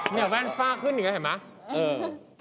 นี่แว่นฟาขึ้นอีกไงเห็นมั้ย